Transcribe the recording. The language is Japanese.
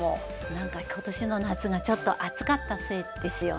何か今年の夏がちょっと暑かったせいですよね。